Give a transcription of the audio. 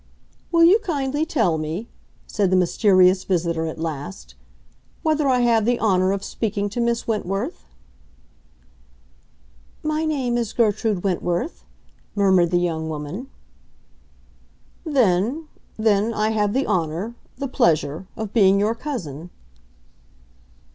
"Will you kindly tell me," said the mysterious visitor, at last, "whether I have the honor of speaking to Miss Wentworth?" "My name is Gertrude Wentworth," murmured the young woman. "Then—then—I have the honor—the pleasure—of being your cousin."